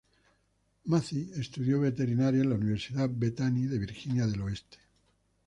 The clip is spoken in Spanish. Macy estudió veterinaria en la Universidad Bethany de Virginia del Oeste.